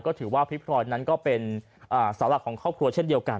ก็ถือว่าพี่พลอยนั้นก็เป็นเสาหลักของครอบครัวเช่นเดียวกัน